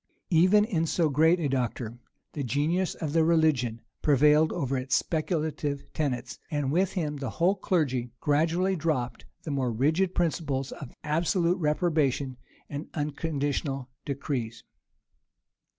Even in so great a doctor, the genius of the religion prevailed over its speculative tenets; and with him, the whole clergy gradually dropped the more rigid principles of absolute reprobation and unconditional decrees.